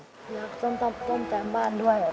อยากซ่อมแซมบ้านด้วย